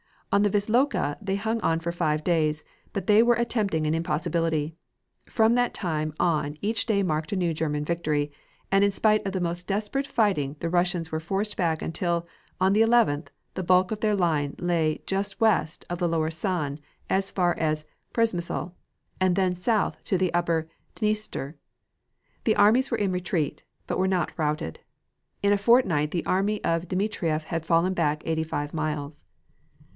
On the Wisloka they hung on for five days, but they were attempting an impossibility. From that time on each day marked a new German victory, and in spite of the most desperate fighting the Russians were forced back until, on the 11th, the bulk of their line lay just west of the lower San as far as Przemysl and then south to the upper Dniester. The armies were in retreat, but were not routed. In a fortnight the army of Dmitrieff had fallen back eighty five miles.